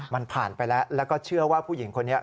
มันผ่านไปแล้วแล้วก็เชื่อว่าผู้หญิงคนนี้